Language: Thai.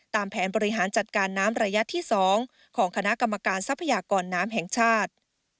แผนบริหารจัดการน้ำระยะที่๒ของคณะกรรมการทรัพยากรน้ำแห่งชาติ